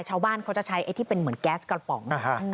ชาวบ้านเขาจะใช้ไอ้ที่เป็นเหมือนแก๊สกระป๋อง